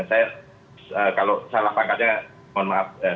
saya kalau salah pangkatnya mohon maaf